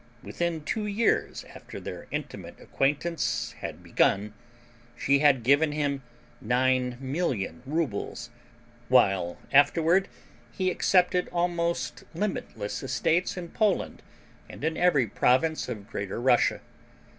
Within two years after their intimate acquaintance had begun she had given him nine million rubles, while afterward he accepted almost limitless estates in Poland and in every province of Greater Russia.